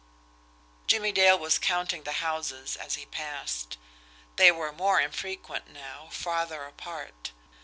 Jimmie Dale was counting the houses as he passed they were more infrequent now, farther apart.